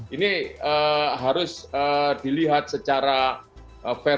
ini harus dilihat secara fair